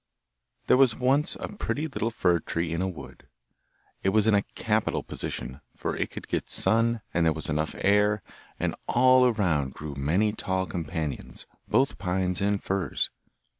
There was once a pretty little fir tree in a wood. It was in a capital position, for it could get sun, and there was enough air, and all around grew many tall companions, both pines and firs.